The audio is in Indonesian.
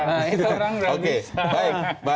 nah itu rupanya